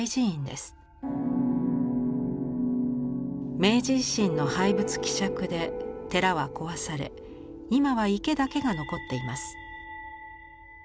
明治維新の廃仏毀釈で寺は壊され今は池だけが残っています。